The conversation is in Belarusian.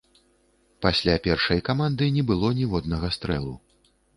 Пасля першай каманды не было ніводнага стрэлу.